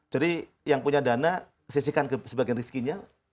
jadi yang punya dana sisihkan sebagian riskinya